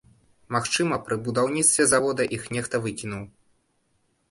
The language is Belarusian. Магчыма, пры будаўніцтве завода іх нехта выкінуў.